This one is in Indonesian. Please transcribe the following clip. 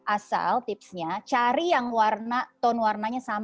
asal tipsnya cari yang warna tone warnanya sama